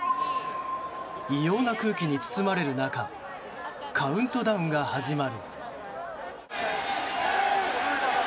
異様な空気に包まれる中カウントダウンが始まる。